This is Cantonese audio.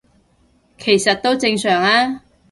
其實都正常吖